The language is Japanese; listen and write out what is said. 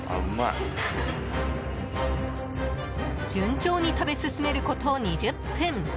順調に食べ進めること２０分。